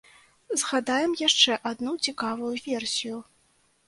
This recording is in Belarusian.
Згадаем яшчэ адну цікавую версію.